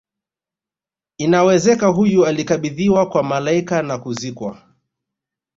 inawezeka huyu alikabidhiwa kwa malaika na kuzikwa